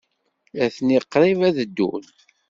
Atni qrib ad ddun.